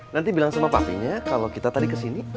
nanti bilang sama papinya kalau kita tarik kesini